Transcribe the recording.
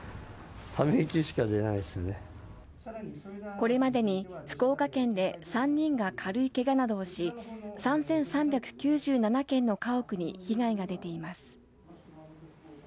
これまでに福岡県で３人が軽いけがなどをし３３９７軒の家屋に被害が出ています。